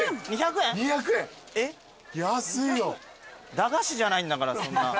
駄菓子じゃないんだからそんな。